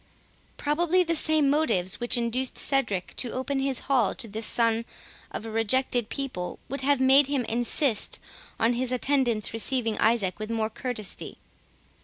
Probably the same motives which induced Cedric to open his hall to this son of a rejected people, would have made him insist on his attendants receiving Isaac with more courtesy.